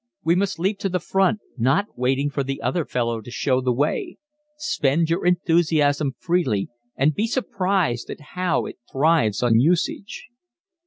We must leap to the front, not waiting for the other fellow to show the way. Spend your enthusiasm freely and be surprised at how it thrives on usage.